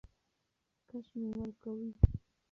کش مي ورکوی .